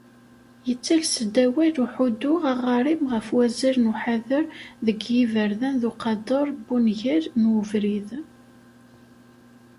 Yettales-d awal Uḥuddu Aɣarim ɣef wazal n uḥader deg yiberdan d uqader n wangal n ubrid.